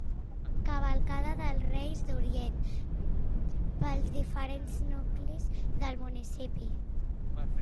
Cavalcada dels Reis d'Orient pels diferents nuclis del municipi.